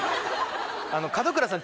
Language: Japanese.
門倉さん